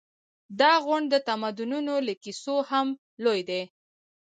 دا غونډ د تمدنونو له کیسو هم لوی دی.